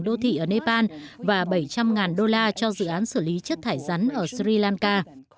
đô thị ở nepal và bảy trăm linh đô la cho dự án xử lý chất thải rắn ở sri lanka